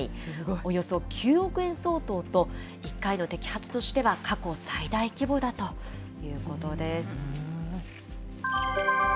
およそ９億円相当と、１回の摘発としては過去最大規模だということです。